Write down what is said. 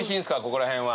ここら辺は。